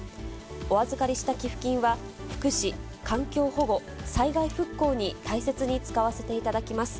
お預かりした寄付金は、福祉、環境保護、災害復興に大切に使わせていただきます。